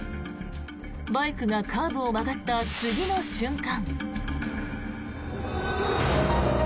バイクがカーブを曲がった次の瞬間。